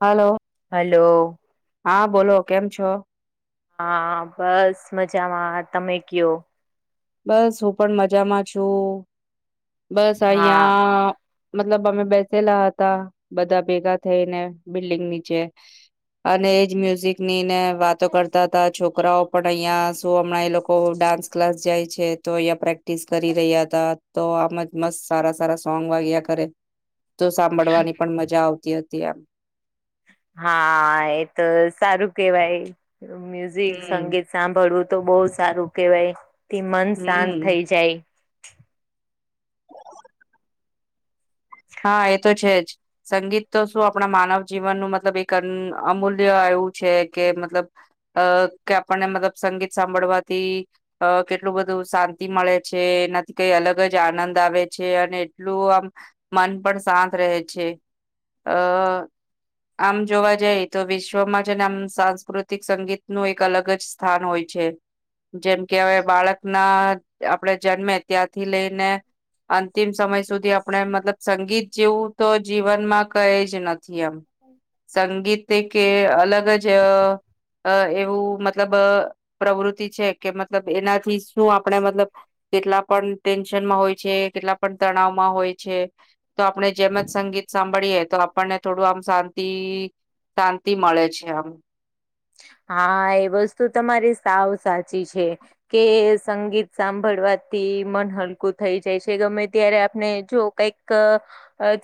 હાલો. Hello. હા બોલો, કેમ છો? હા બસ મજામાં, તમે ક્યો? બસ હું પણ મજામાં છું, બસ હા અહીંયા મતલબ અમે બેસેલા હતા, બધા ભેગા થઈને બિલ્ડિંગ નીચે. અને એજ મ્યુઝિકની ને વાતો કરતા હતા, છોકરાઓ પણ અહિયાં શું હમણાં એ લોકો ડાન્સ ક્લાસ જાય છે, તો અહીંયા પ્રેક્ટિસ કરી રહ્યા હતા. તો આમ જ મસ્ત સારા સારા સોંગ વાગ્યા કરે. તો સાંભળવાની પણ મજા આવતી હતી એમ. હા, એ તો સારું કેવાય, મ્યુઝિક હમ સંગીત. સાંભળવું તો બહુ સારું કેવાય એનથી મન શાંત હમ. થઈ જાય. હા એ તો છે જ. સંગીત તો શું આપણા માનવ જીવનનું મતલબ એક અન્ અમૂલ્ય એવું છે કે મતલબ અ કે આપણને મતલબ સંગીત સાંભળવાથી અ કેટલું બધું શાંતિ મળે છે, એનાથી કંઈ અલગ જ આનંદ આવે છે અને એટલું આમ મન પણ શાંત રહે છે. અ આમ જોવા જાય તો વિશ્વમાં છે ને આમ સાંસ્કૃતિક સંગીતનું એક અલગ જ સ સ્થાનો હોય છે. જેમ કે હવે બાળકના આપડે જન્મે ત્યાંરથી [unintelligible] અંતિમ સમય સુધી આપણે મતલબ સંગીત જેવું તો જીવનમાં કયજ નથી [unintelligible] સંગીત તે કે અલગ જ અ અ એવું મતલબ પ્રવૃત્તિ છે કે મતલબ એનાથી શું આપણે મતલબ કેટલા પણ ટેન્શનમાં હોય છે કેટલા પણ તણાવમાં હોય છે. તો આપણે જેમ જ સંગીત સાંભ ભળીએ તો આપણને થોડુંક આમ શાંતિ શાંતિ મળે છે અમ. હા એ વસ્તુ તમારી સાવ સાચી છે. કે સંગીત સાંભળવાથી મન હલકું થઈ જાય છે ગમે ત્યારે આપને જો કંઈક ક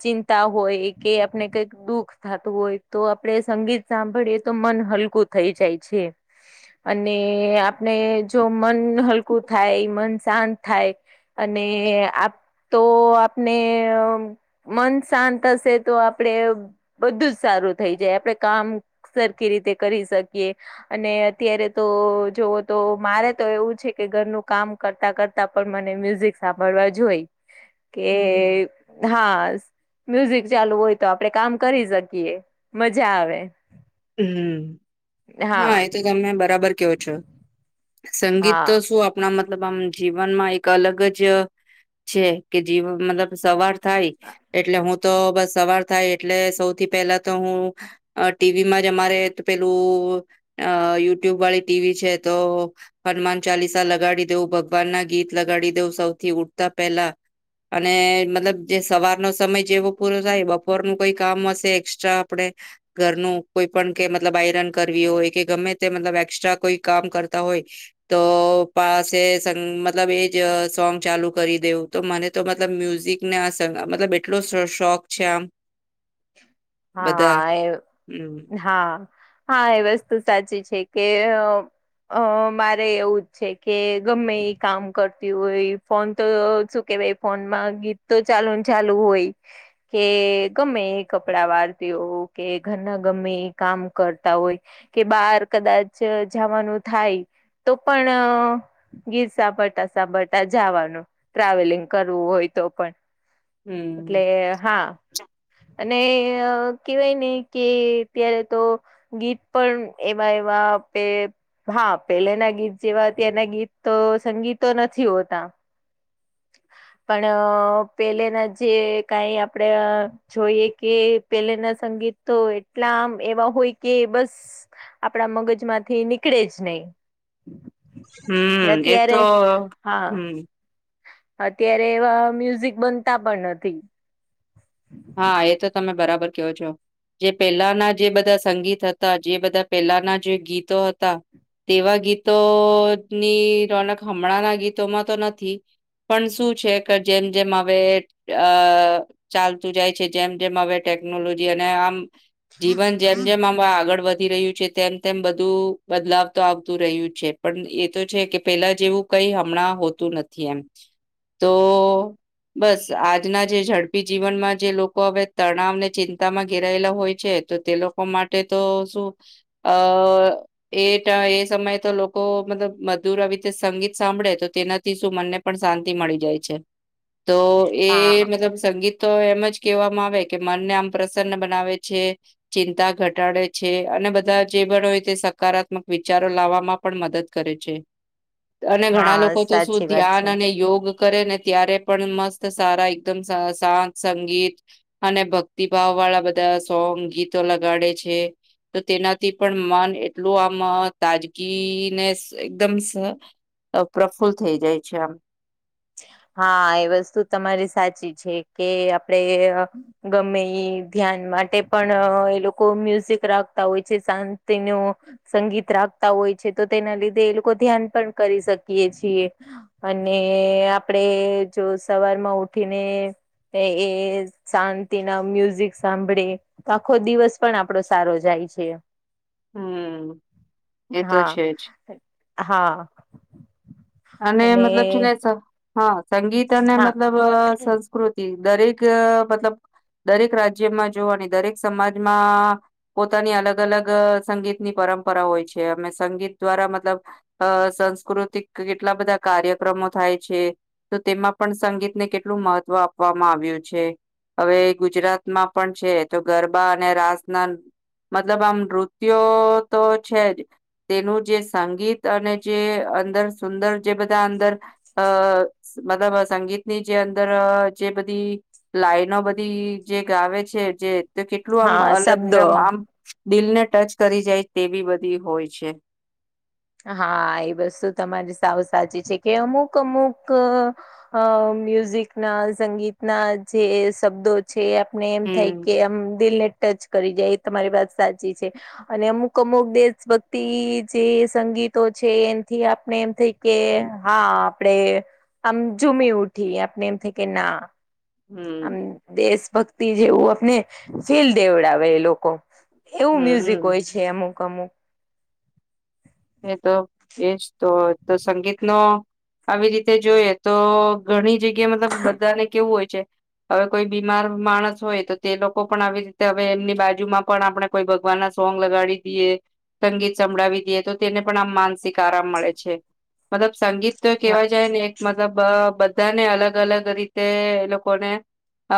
ચિંતા હોય કે આપને કંઈક દુઃખ થાતું હોય તો આપણે સંગીત સાંભળીએ તો મન હલકું થઈ જાય છે. અને આપને જો મન હલકું થાય મન શાંત થાય અને આપ તો આપને અ મન શાંત હશે તો આપડે બ બધું જ સારું થેઈ જાય આપડે કામ સરખી રીતે કરી શકીએ અને અત્યારે તો જોવો તો મારે તો એવું છે કે ઘરનું કામ કરતા કરતા તા પણ મને મ્યુઝિક સાંભળવા જોઈ [inaudible] કે હા મ્યુઝિક ચાલુ હોય તો આપડે કામ કરી શકીએ મજા આવે. હમ્મ હા એ તો તમને બરાબર કેવો છો. સંગીત તો હા શું આપ [unintelligible] મતલબ આમ જીવનમાં એક અલગ જ છે કે જીવ મતલબ સવાર થાય એટલે હું તો બસ સવાર થાય એટલે સૌથી પેહલા તો હું અ ટી ટીવી માં જ અમારે પેલું અ યુટ્યુબ વાળી ટીવી છે તો હનુમાન ચાલીસા લગાડી દેવું ભગવાન ના ગીત લગાડી દેવું સૌથી ઊઠતા પેહલા અને મતલબ જે સવારનો સમય જેવો પૂરો થાય બપોરનું કોઈ કામ હશે એક્સ્ટ્રા આપણેે ઘરનું કોઈ પણ કે મતલબ આયરન કરવી હોય કે ગમે તે મતલબ એકસ્ટ્રા કોઈ કામ કરતા હોય તો પાસે સંગ મતલબ એજ સોંગ ચાલુ કરી દેવું તો મને તો મતલબ મ્યુઝિક ના સા મતલબ એટલો શો શોખ છે આમ બધા હા એવ હમ હા હા એ વસ્તુ સાચી છે કે અ અ મારે એવું જ છે કે ગમે ઈ કામ કરતી હોય ફોન તો શું કેવાય ફોનમાં ગીત તો ચાલુ ન ચાલુ હોય કે ગમ્મે એ કપડાં વાળતી હોવ કે ઘરના ગમ્મે ઈ કામ કરતા હોય કે બાર કદાચ જાવાનું થાય તો પણ ગીત સાંભળતા સાંભળતા જાવાનું ટ્રાવેલિંગ કરવું હોય તો પણ એટલે હમ હા અને કેહવાય ને કે ત્યારે તો ગીત પણ એવા એવા આપે હા પેલેના ગીત જેવા અત્યારના ગીત તો સંગીતો નથી હોતા પણ પેલે ના જે કાઈ આપડે અ જોઈએ કે પેલાના સંગીત તો એટલા આમ એવા હોય કે બસ, આપણા મગજમાંથી નીકળે જ નહી. ને હમ એ તો અત્યારે હા, હમ અત્યારે એવા મ્યુઝિક બનતા પણ નથી. હા એતો તમે બરાબર કયો છો. જે પેલાના જે બધા સંગીત હતા જે બધા પેલાના જે ગીતો હતા, તેવા ગીતોની રોનક હમણાંના ગીત માંતો નથી. પણ શું છે, કે જેમ જેમ હવે અ ચાલુ, તું જાય છે, જેમ જેમ હવે ટેકનોલોજી અને આમ. જીવન જેમ જેમ આમાં આગળ વધી રહ્યું છે, તેમ બધું બદલાવ તો આવતું રહ્યું છે, પણ એતો છે કે પેલા જેવું કંઈ હમણાં હોતું નથી. એમ તો બસ આજના જે ઝડપી જીવનમાં, જે લોકો હવે તણાવને ચિંતામાં ઘેરાયેલા હોય છે, તો તે લોકો માટે તો શું, અ. એ એ સમયે તો લોકો મતલબ મધુરરીતે સંગીત સાંભળે તો તેનાથી શું મને. પણ શાંતિ મળી જાય છે, તોએ હા મતલબ સંગીતતો એમ જ, કેવામાં આવે કે મનને આમ પ્રસન્ન બનાવે છે. ચિંતા ઘટાડે છે, અને બધા જે પણ હોય તે સકારાત્મક વિચારો લાવવામાં. પણ મદદ કરે છે, અને ઘણા હા લોકો‌તો શું સાચી વાત છે ધ્યાન અને યોગ. કરે ને ત્યારે પણ મસ્ત સારા એકદમ સાત સંગીત, અને ભક્તિભાવ વાળા બધા સોંગ ગીતો લગાડે છે. તો તેનાથી પણ મન એટલું આમ તાજગીને એકદમ સાચું છે. અપ્રફુલ્લ થઈ જાય છે, આમ હાએ વસ્તુ તમારી સાચી છે, કે આપડે ગમે એ ધ્યાન માટે પણ એ લોકો મ્યુઝિક રાખતા હોય છે, શાંતિનો સંગીત રાખતા હોય છે, તો તેના લીધે એ લોકો ધ્યાન પણ કરી શકીએ છીએ. અને આપડે જો સવારમાં ઉઠીને, એ શાંતિના મ્યુઝિક સાંભળે, તો આખો દિવસ પણ આપડો સારો જાય છે. હમ્મ એ તો હા, છે જ. હા. અને મતલબ છે, નેહા સંગીત અને હા મતલબ બસ, કૃતિ દરેક મતલબ દરેક રાજ્યમાં જોવાની દરેક સમાજમાં, પોતાની અલગ- અલગ સંગીતની પરંપરા હોય છે. અમે સંગીત દ્વારા મતલબ અમે સાસ્કૃતિક કેટલા બધા કાર્યક્રમો થાય છે. તો તેમાં પણ સંગીતને કેટલું મહત્વ આપવામાં આવ્યું છે. હવે ગુજરાતમાં પણ છે, તો ગરબા અને રાસના. મતલબ આમ નૃત્યોતો છે, જ તેનું જે સંગીત અને જે અંદર સુંદર જે બધા અંદર, અ મતલબ સંગીતની જે અંદર જે બધી, લાઈનો બધી જે ગાવે છે, જેતે કેટલું આમ હા અલગ શબ્દો આમ આમ, દિલ ને ટચ કરી જાય તેવી બધી હોય છે. હા એ વસ્તુ તમારી સાવસાચી છે, કે અમુક- અમુક. અ મ્યુઝિકના સંગીતના જે શબ્દો. છે, આપને એમ થાય હમ. કે આમ દિલને ટચ. કરી જાય એ તમારી વાતસાચી છે, અને અમુક અમુક દેશભક્તિ જે, સંગીતો છે એનથી આપણે એમ થઈ કે હા આપણે આમ ઝુમી ઉઠી આપને એમ થાય કે ના આમ હમ દેશ ભક્તિ જેવું આપને ફીલ દેવડાવે એ લોકો એવું મ્યુઝિક હમ. હોય છે અમુક અમુક એ તો એજ તો તો સંગીતનો આવી રીતે જોઈએ તો ઘણી જગ્યા મતલબ બધાને કેવું હોય છે હવે કોઈ બીમાર માણસ હોય તો તે લોકો પણ આવી રીતે હવે એમની બાજુમાં પણ આપણે કોઈ ભગવાનના સોંગ લગાડી દઈએ સંગીત સંભળાવી દઈએ તો તેને પણ આમ માનસિક આરામ મળે છે મતલબ સંગીત તો કહેવા જાય ને મતલબ બધાને અલગ અલગ રીતે એ લોકોને અ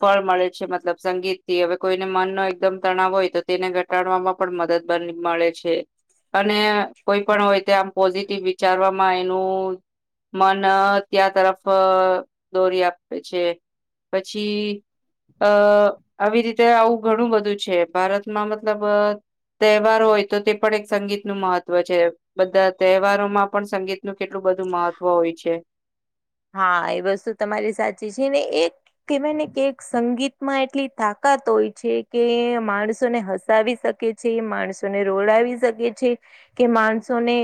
ફળ મળે છે મતલબ સંગીતથી હવે કોઈને મનનો એકદમ તણાવ હોય તો તેને ઘટાડવામાં પણ મદદ મલ મળે છે. અને કોઈ પણ હોય તે આમ પોઝિટિવ વિચારવામાં એનું મન ત્યાં તરફ દોરી આપે છે. પછી અ આવી રીતે આવું ઘણું બધું છે ભારતમાં મતલબ તહેવાર હોય તો તે પણ એક સંગીત નું મહત્વ છે બધા તહેવારો માં પણ સંગીતનું કેટલું બધું મહત્વ હોય છે હા એ વસ્તુ તમારી સાચી છે ને એક કહેવાયને કે સંગીતમાં એટલી તાકાત હોય છે કે માણસોને હસાવી શકા એ છે એ માણસોને રોડાવી શકે છે. કે માણસોને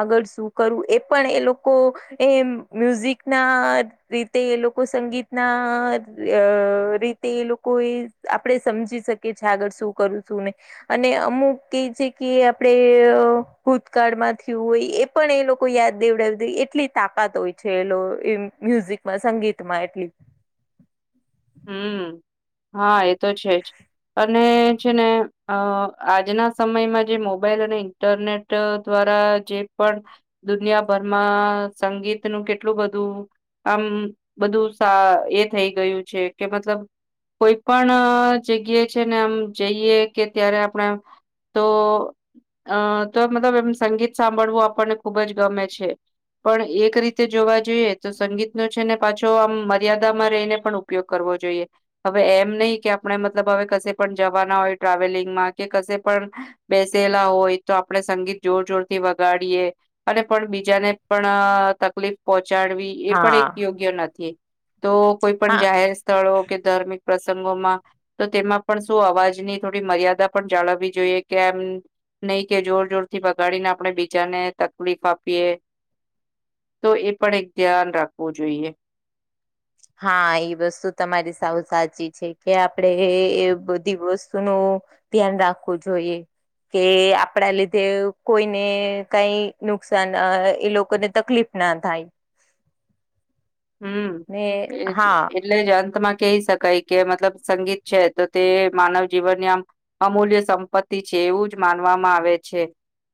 આગળ શું કરવું એ પણ એ લોકો એમ મ્યુઝિકના રીતે એ લોકો સંગીતના અ રીતે એ લોકો એ આપણે સમજી શકીએ છીએ આગળ શું કરું છું નહી અને અમુક એ છે કે આપણે ભૂતકાળમાં થયું હોય એ પણ એ લોકો યાદ દેવડાવી દે એટલી તાકાત હોય છે એલો એમ મ્યુઝિકમાં સંગીતમાં એટલી હમ હા એ તો છે જ અને છે ને અ આજના સમયમાં જે મોબાઈલ અને ઇન્ટરનેટ દ્વારા જે પણ દુનિયાભરમાં સંગીતનું કેટલું બધું આમ બધું સા એ થઈ ગયું છે કે મતલબ કોઈ પણ જગ્યાએ છે ને આમ જઈએ કે ત્યારે આપણે આમ તો અ તો મતલબ એમ સંગીત સાંભળવું આપણને ખુબ જ ગમે છે. પણ એક રીતે જોવા જોઈએ તો સંગીતનો છે ને પાછો આમ મર્યાદામાં રહીને પણ ઉપયોગ કરવો જોઈએ. હવે એમ નહી કે આપણે મતલબ હવે કશે પણ જવાના હોય ટ્રાવેલિંગમાં કે કશે પણ બેસેલા હોય તો આપણે સંગીત જોર જોરથી વગાડીએ અને પણ બીજાને પણ તકલીફ પહોંચાડવી એ પણ એક હા યોગ્ય નથી તો કોઈ પણ હા જાહેર સ્થ સ્થળો કે ધાર્મિક પ્રસંગોમાં તો તેમાં પણ શું અવાજની થોડી મર્યાદા પણ જાળવવી જોઈએ કે એમ નહી કે જોર જોરથી બગાડીને આપણે બીજાને તકલીફ આપીએ તો એ પણ એક ધ્યાન રાખવું જોઈએ હા એ વસ્તુ તમારી સાવ સાચી છે કે આપડે એ બધી વસ્તુનું ધ્યાન રાખવું જોઈએ કે આપડા લીધે કોઈને કઈ નુકસાન અ એ લોકોને તકલીફ ના થાય ને હમ હા એજ એ જ અંતમાં કહી શકાય મતલબ સંગીત છે તો તે માનવ જીવનની આમ અમૂલ્ય સંપત્તિ છે એવું જ માનવામાં આવે છે.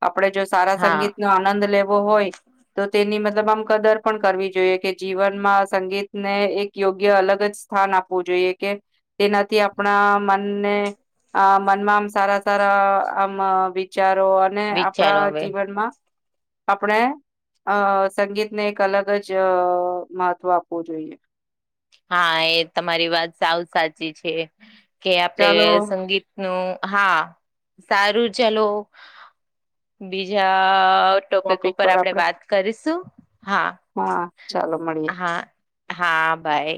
આપડે જો સારા હા સંગીતનો આનંદ લેવો હોય તો તેની મતલબ આમ કદર પણ કરવી જોઈએ કે જીવનમાં સંગીતને એક યોગ્ય અલગ જ સ્થાન આપવું જોઈએ કે તેનાથી આપણા મનને આ મનમાં આમ સારા સારા આમ વિચારો અને વિચારો આપણા હવે જીવનમાં આપણે અ સંગીતને એક અલગ જ મહત્વ આપવું જોઈએ. હા એ તમારી વાત સાવ સાચી છે કે આપડે ચાલો સંગીત નું હા સારું ચાલો બીજા ટોપિક ઉપર પર આપણે આપડે વાત કરીશું. હા ચાલો મળીએ હા હા ભાઈ